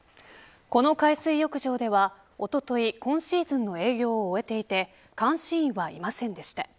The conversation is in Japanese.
この海水浴場ではおととい今シーズンの営業を終えていて監視員はいませんでした。